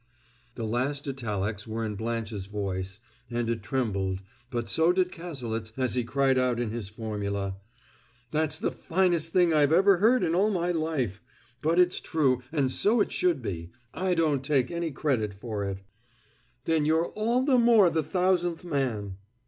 '" The last italics were in Blanche's voice, and it trembled, but so did Cazalet's as he cried out in his formula: "That's the finest thing I ever heard in all my life! But it's true, and so it should be. I don't take any credit for it." "Then you're all the more the thousandth man!"